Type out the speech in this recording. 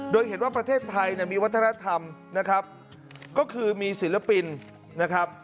โดยเห็นว่าประเทศไทยเนี่ยมีวัฒนธรรมนะครับก็คือมีศิลปินนะครับ